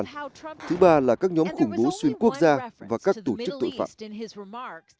thứ ba là các nhóm khủng bố xuyên quốc gia và các tổ chức tội phạm